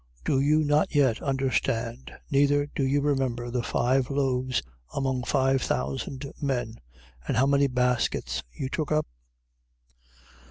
16:9. Do you not yet understand, neither do you remember the five loaves among five thousand men, and how many baskets you took up?